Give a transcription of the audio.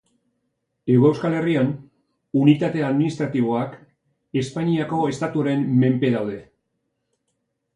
Hego Euskal Herrian, unitate administratiboak Espainiako estatuaren menpe daude.